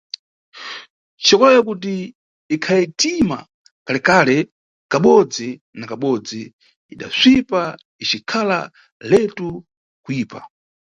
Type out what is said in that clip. Xikola ya kuti ikhayetima kalekale, kabodzi na kabodzi idasvipa icikhala letu kuyipa.